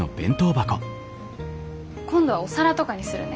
今度はお皿とかにするね。